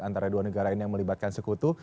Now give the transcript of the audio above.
antara dua negara ini yang melibatkan sekutu